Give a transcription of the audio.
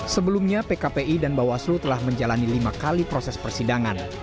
sebelumnya pkpi dan bawaslu telah menjalani lima kali proses persidangan